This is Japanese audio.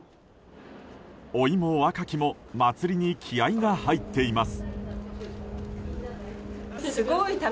老いも若きも祭りに気合が入っています。